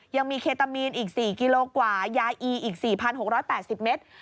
ยังมีเคตามีนอีก๔กิโลกว่ายาอีอีก๔๖๘๐เมตร